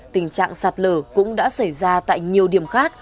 tình trạng sạt lở cũng đã xảy ra tại nhiều điểm khác